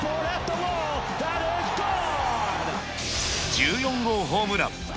１４号ホームラン。